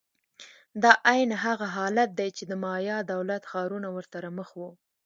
دا عین هغه حالت دی چې د مایا دولت ښارونه ورسره مخ وو.